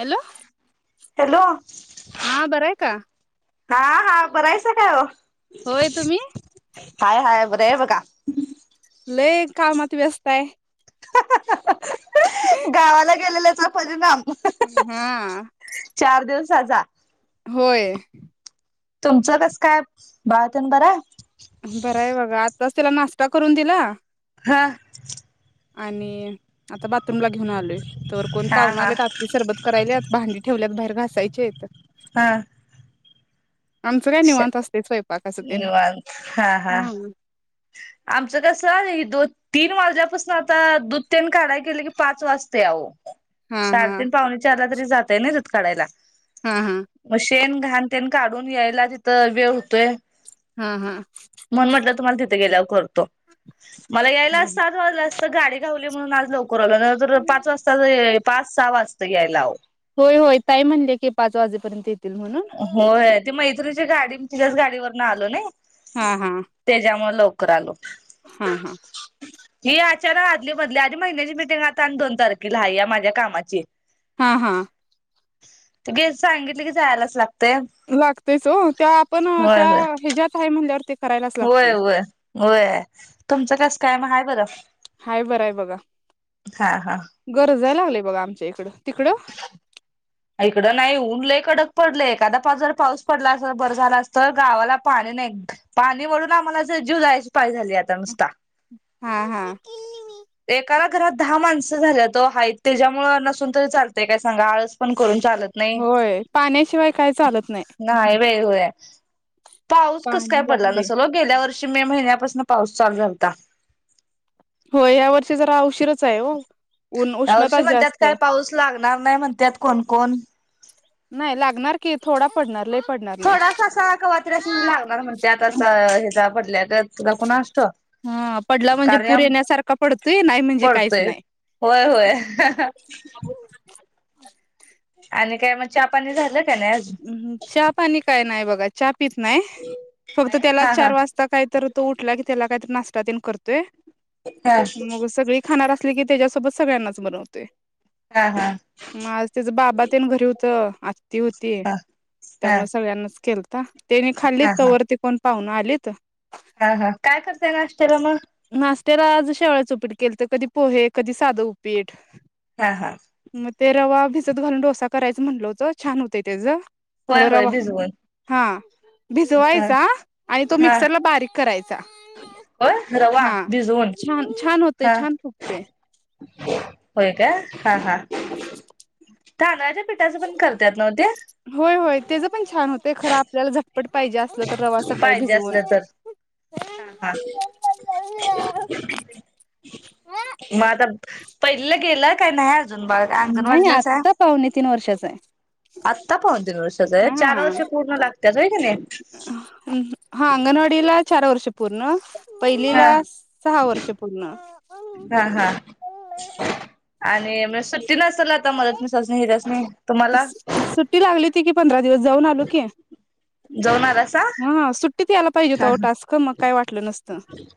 Hello hello हा बरं आहे का? हा हा बरहाइसा काय ओ? होय. तुम्ही? हाय हाय बरी आहे बघा. लय कामात वेस्त हाय [inaudible] गावाला गेलेले चा परिणाम हम् सजा होय तुमचं कस काय बाळातेन बरं हाय? बरंय बघा आत त्यावेळेस तिला नाश्ता करून दिला. हा आणि आता बाथरूमला घेऊन आलोय तर कोण हा पाहुणे हा आलेत. आत्ती सरबत करायल्यात भांडी ठेवलेत बाहेर. घासायची हाईत हा आमचं काय निवांत असते स्वयंपाक. निवांत हा हा आमचं कसं दो, तीन वाजल्यापासून आता दूध तेन काढाया गेलं की पाच वाजतय आहो हा हा साडेतीन, पावणे चारला जर ह्यो जातय ना दूध काढयला. हम हम ते अन घाण तेन काढून यायला तिथं वेळ होतोय. हा हा म्हणून म्हटलं तुम्हाला तिथे गेल्यावर करतो. मला यायलाच सात वाजले अस च गाडी घावली म्हणून आज लव [unintelligible] जर पाच वाजता वे पाच सहा वास त यायला ओ होय होय ताई म्हणल्या की पाच वाजे होय ते मै त्रीनिच्या गाडी तिज्याच गाडीवरन आलो नई. हा हा तेज्यामुळ लव कर आलो. हा हा ही अचानक आदली मदली आणि महिन्याची मिटिंग आता आणि दोन तारखेला ह्या माझ्या कामाची हा हा त गे सांगितलं की जायालाच लाग लागतेच ओ ते आपण अ होय त्या होय हेज्यात हाय म्हणल्यावर ते करायलाच लागते. होय वय वय, तुमच कस काय म हाय बरं? हाय बरं आहे बघा हा हा. तिकड इकड नाही ऊन लय कडक पडले, एखादा पा जर पाऊस पडला अस बर झाला असत, गावाला पाणी नई, पाणी ओढून आम्हाला अस जीव जायची पाळी झाली आता नुसता हा हा एकाला घरात दहा माणसं झाल्यात ओ हायत तेज्यामुळं नसून तरी चालतेय काय सांगा आळस पण करून चालत नाही होय पाण्याशिवाय काय चालत नाही. व्हय व्हय. पाऊस कस काय पाणी पडला लागते नसल ओ गेल्या वर शी मे महिन्यापासन पाऊस चालू झालता. होय या वर्षी जरा उशीरच आय ओ यावर्षी म्हणत्यात काय पाऊस लागणार नाही म्हणत्यात कोण कोण नाही लागणार की थोडा पडणार लई थोडासा असा कवातरी अस म्हणजे लागणार म्हणत्यात असं हेज्या ब ला कोण अस त हा पडला म्हणजे पूर कारयम येण्यासारखा पडतोय नाही म्हणजे काहीच पडतोय नाही होय होय. आणि काय म चहा पाणी झालं. का नाही अजून उहु च्या पाणी काय नाय. बगा च्या पीत नाही फक्त त्याला हा हा चार वाजता कायतर तो उठला की त्याला कायतर नाष्टा तेन करतोय. हा हा मग सगळी खाणार अस लिकी तेज्यासोबत सगळ्यांनाच बनवतोय. हा हा मग आज तिज बाबा तेन घरी हू इथं आत्ती होती. ते हा हा त्यामुळे सगळ्यांनाच केल का? त्यांनी खाल्ली हा तोवर ती कोण पाहुण आलीत? हा हा काय करताय नाश्त्याला मग? नाश्त्याला आज शेवयाच उपीट केलत. कधी पोहे, कधी साध उपीट. हा हा मग ते रवा भिजत भिजत घालून डोसा करायचं म्हटल होत छान होतय त्याचं खर होय होय रवा भिजवून हा हा भिजवायचा आणि तो हा मिक्सरला बारीक करायचा. होय रवा हा भिजवून छान छान होतय हा छान फुगतय. होय काय? हा हा तांदळाच्या पिठाचं पण करतात नव्ह ते होय होय तेज पण छान होतय खर आपल्याला झट पट पाहिजे असलं तर रवा सकाळी पाहिजे भिजवून असलं तर हा हा मग आता पहिलं केलाय का नाही अ नाही आत्ता पाहुणे तीन वर्षाचा हाय. आत्ता पण हा हा की नाही हा अंगनवाडीला चार वर्ष पूर्ण हा पहिलीला सहा वर्ष पूर्ण. हा हा आणि म सु ती नसल आता म्हणत मी सजनी रजनी तुम्हाला सुट्टी लागली होती की पंधरा दिवस जाऊन आलो की. जाऊन आलासा? हा सुट्टीत ह्यला पाहिजेत हा अहो टास्क म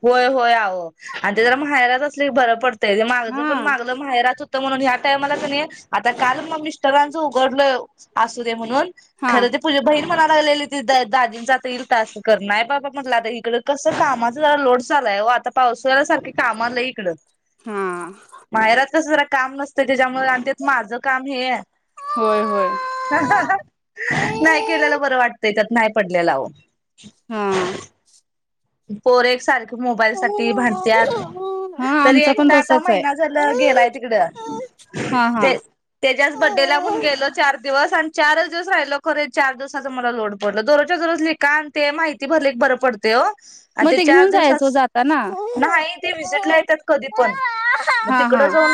होय होय आहो आणि ते जरा माहेरातच चे बर पड तेज्या मागच हा पण मागल माहेराच तर म्हणून ह्या टायमाला कनी आता काल म मिस्ट सगळ्यांच उघडलय आसू दे म्हणून. हा खरं ते पूजा भईर म्हणायला लागलेली ती दाजींच आता येईल टास्क कर नाही बाबा म्हटलं आता इकड कसं कामाचा जरा लोड चाललाय वो आता पाऊसा सारखे कामा लई इकडं हा माहेरात कस जरा काम नसतं तेझ्यामुळ आणि त्यात माझं काम हे. होय होय नाही केलेलं बरं वाटतय तर. नाही पडलेलाव [inaudible] हा पोरं एकसार मोबाईलसाठी भांडत्यात हा तरी आमचा पण एकटा आता तसाच आहे महिना झाला गेलाय तिकड, हा हा ते तेच्याच बड्डेला म्हणून गेलो चार दिवस आणि चारच दिवस राहिलो खरं चार दिवसाचा मला लोड पडल, दररोजच्या दररोज लिका आण ते माहिती भरले की बरं पडतय ओ. आण मग ते चार घेऊन जायचं दिवसास जाताना नाही ते वीजिटला येतात कधी पण मग हा तिकड हा जाऊन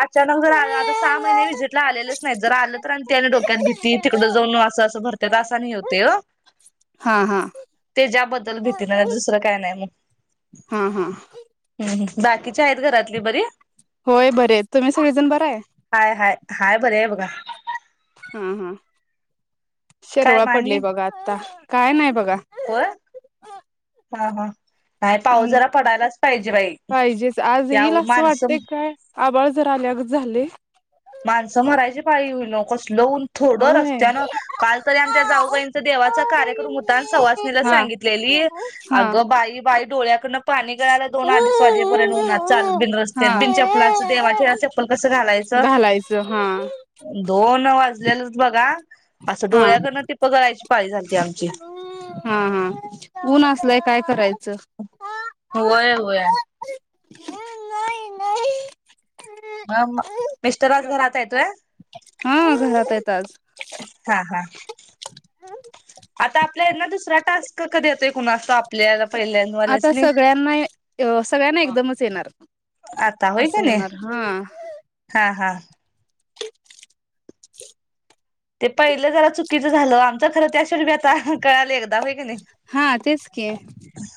अचानक जर आले आता सहा महिने विजीटला आलेलेच नाही जर आलं तर त्याने डोक्यात भीती तिकड जाऊन असं असं भरत्यात असा आणि हे होतय ओ हा हा! ज्याबद्दल भीत तिन नाही दुसरं काय नाही म हा हा! हू हू बाकीच्या आहेत घरातली बरी. होय बरे तुम्ही सगळेजण बराय. हाय हाय हाय बरे आहे बघा हं हं! काय शरवळा मानी पडली बघा आतां काय नाही. बघा होय हा हा! नाही पाऊस जरा पडायलाच पाहिजे बाई पाहिजेच आज या येईल उ- असं माणसं वाटतय काय आबाळ जरा आल्यागत झालय? माणसं मरायची पाळी होईल कस उन थोडं होय रस्त्यान काल तरी आमच्या जाऊबाईंचा देवाचा कार्यक्रम होता आण सवासनेला हा सांगितलेली हा अगं बाई बाई. डोळ्या कन- पाणी गळायला दोन अडीच वाजेपर्यंत उनात चालत बिन रस्त्या हा बिन चप्लाचं देवाचे चप्पल कसं घालायचं. ज हा! वाजलेलच बघा असं हा डोळ्या कडन टिप गळायची पाळी झालती आमची हा हा ऊन असलय काय कराय. होय होय [inaudible] म-म-मिस्टर आज घरात हाईत होय? ताज हा हा आता आ आपल्या इथंन दुसरा टास्क कधी येतोय कुणास टोक आपल्याला आता पहिल्यांवाल्यासनी सगळ्यांना अ सगळ्यांना एकदमच येणार आता होय का असं नाही होणार हा हा हा ते पहिलं जरा चुकीचं झालं आ खर त्यासनी कनी आता कळाले एकदा होय क नाही हा तेच की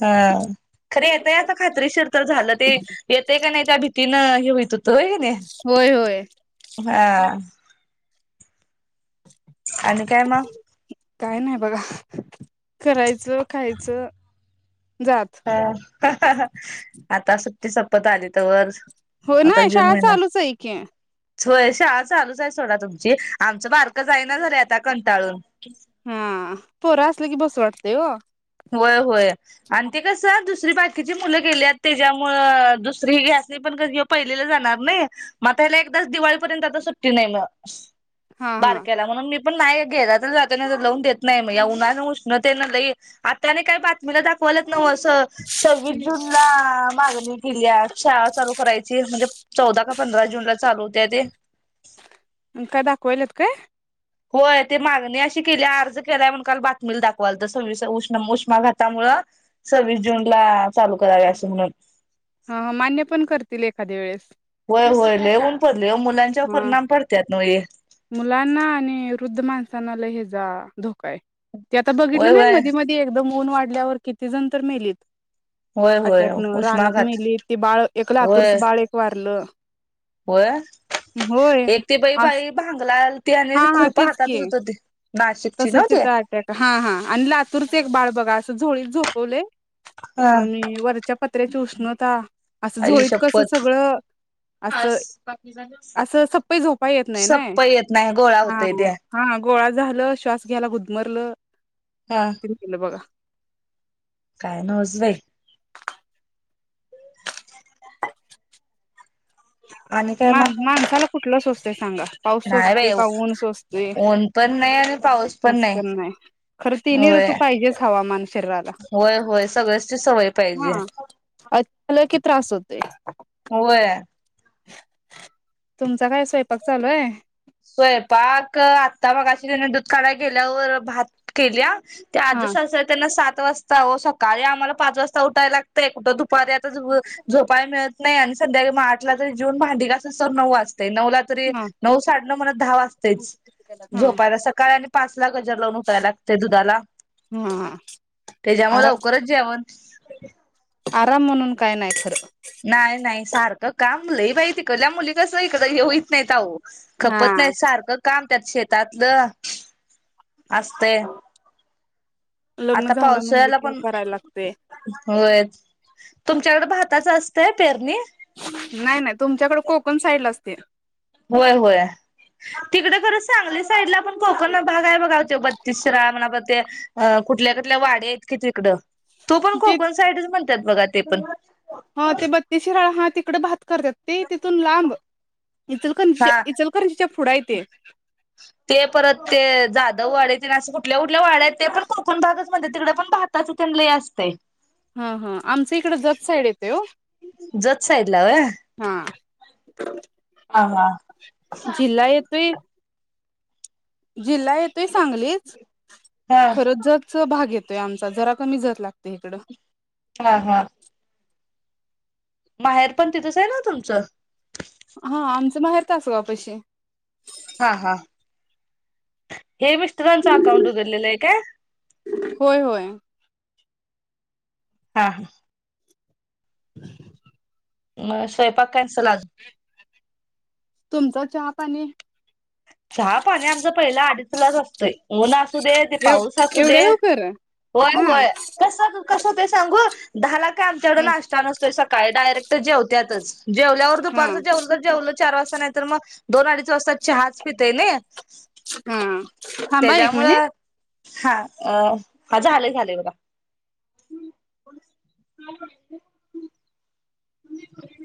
ह खरे येतय आता खात्रीशीर तर झालं ते येतय काय नाही त्या भीतीन हे होईत होतंय होय नाही होय होय हा आणि काय मग? काय नाही बघा. करायचं खायचं. जा आत. हा आता सुट्टी संपत आली तोवर हो नाही शाळा चालूच आहे की होय शाळा चालूच आहे सोडा तुमची आमचं बारकं जाईना झालय आता कंटाळून. हा पोरं असलं की बसू वाटतेय हो होय होय आणि ते कसं दुसरी बाकीची मुलं गेल्यात त्याच्यामूळ दुसरी ह्यास्नी पण क ह्यो पहिलीला जाणार नई म अता हेला एकदाच दिवाळीपर्यंत आता सुट्टी नाही मग हा हा बारक्याला म्हणून मी पण नाही घ्यायला तर जाते ना पण लावून देत नाही मग या उन्हान उष्णतेन लई आत्याने काय पा मला दाखवाल्यात नव असं सव्वीस जून आ मागणी केलीया शाळा चालू करायची म्हणजे चौदा का पंधरा जून ला चालू होतिया ते. आणि काय दाखवाल्यात काय? होय ते मागणी अशी केलीया अर्ज केलाय म्हणून काल बातमीला दाखवालत. सव्वीस हे उष्ण उष्माघातामुळ सव्वीस जून ला चालू करावे असं म्हणून हा ह मान्य पण करतील एखाद्या वेळेस होय होय लई ऊन पड लई मुलांच्यावर हा परिणाम पडत्यात नव हे. मुलांना आणि वृद्ध माणसांना लई हेजा धो काय? ते आता बघितलं होय नाही होय मध्ये-मध्ये एकदम ऊन वाढल्यावर कितीजण तर मेलीत. होय होय अटॅक न रानात उष्माघात मेली. ती बाळ एक लातूरच बाळ एक वारलं. होया होय अस भांगलालती आणि हा हा खुरपं तीच की हातातच होत ते नाशिकची नव्ह तसच ती इथ अटॅक हा हा आणि लातूरच एक बाळ बघा झोळीत झोपवले हा आणि वरच्या पत्र्याची उष्णता असं आई झोळीत कस शपथ सगळं अस असं सपय झोपाय येत नाही नाय सप्प येत नाही गोळा हा होतय ते हं गोळा झालं श्वास घ्यायला गुदमरलं हा तिन नेल बघा काय नवजच बाई आणि काय मा मग माणसाला कुठलं सोसतय सांगा पाऊस नाही सोसतय बाई का ऊन सोसतय ऊन पण नाही आणि पाऊस [unintelligible] पण नाही नाय खर तिनही होय ऋतू पाहिजेच हवामान शरीराला होय होय सगळ्याची सवय हा पाहिजे [unintelligible] [unintelligible] कि त्रास होतय. व्हय तुमचा काय स्वयंपाक चालू हाय स्वयंपाक आता मगाशी तिने दूध काढाय गेल्यावर भात केल्या त्या आज्ज हा सासू आहे त्यांना सात वाजता ओ सकाळी आम्हाला पाच वाजता उठाय लागतंय कुठं दुपारी आता झो झोपाय मिळत नाय आणि संध्याकाळी म आठला जरी जिवून भांडी घासूसतवर नऊ वाज तय नऊ ला तरी हा नऊस साडेनऊ मला दहा वाजतयच हा झोपायला सकाळ आणि [unintelligible] गजर लावून उठाय लागतय दुधाला हा तेज्यामुळे आरा लवकरच जेवण [inaudible] आराम म्हणून काय नाय खरं नाही नाही सारखं काम लई बाई तिकडल्या मुली कसं इकडं हे होईत नाहीत आओ हा खपत नाय सारखं काम त्यात शेतातलं आसतय लग्न झालं म्हटलं की करायला लागतय होय तुमच्याकडं भाताच असतंय पेरणी नाय नाय तुमच्याकड कोकण साईडला असते होय होय तिकडं खरं सांगली साईडला पण कोकण भाग आहे बघा आहे तो ओ बत्तीस शिराळ म [unintelligible] ते कुठल्या कुठल्या वाड्या आहेत की तिकडं तो पण कोकण साईडच म्हणत्यात बगा ते पण हा ते बत्तीस शिराळ हा तिकड भात करत्यात ते तिथून लांब इचलकरंजीच्या हा इचलकरंजीच्या पुढ हाईत ते! ते परत ते जाधव वाडीतेन आस कुठल्या, कुठल्या वाड्या आहेत ते पण कोकण भागच म्हणत्यात तिकडे पण भाताच तेन लई आसतय. हा आमचं इकडं जत साईड येतय ओ, जत साईडला व्हय हा हा जिल्हा येतोय. जिल्हा येतोय सांगलीच हा खरं जच भाग येतोय आम जरा कमी जत लागतय इकडं. हा हा! माहेर पण तिथंच आहे ना तुमचं. हा आमचं माहेर तासगावपशी. हा! हे मिस्टरांचं अकाउंट उघडलेलं आहे काय. होय होय हा हा! [inaudible] म स्वयंपाक कॅन्सल आज. तुमचा चहा पाणी. चहा पाणी आमचा पहिला आडी लाज असं. त ऊन असू दे ते पाऊस असू एवढ्या दे लवकर होय हा होय कस कसं ते सांगू दहा ला काय आमच्याकड हा नास्टा नसतोय सकाळी डायरेक्ट जेवत्याच जेवल्यावर दुपारच जेवल, जेवलं चार वाजता नाही तर मग दोन अडीच वाजता. चहाज पितय नय. हा थांबा एक मिनिट. त्याच्यामुळं हा अ हा झालंय झालंय बघा [inaudible] [unintelligible]